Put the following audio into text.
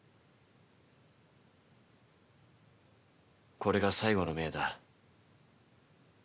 これが最後の命だ。